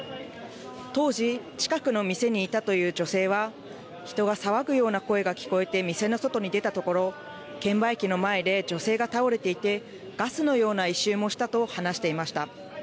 当時、近くの店にいたという女性は人が騒ぐような声が聞こえて店の外に出たところ券売機の前で女性が倒れていて、ガスのような異臭もしたと話していました。